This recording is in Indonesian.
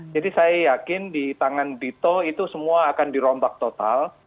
jadi saya yakin di tangan dito itu semua akan dirompak total